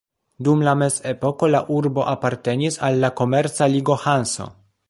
Dum la mezepoko la urbo apartenis al la komerca ligo Hanso.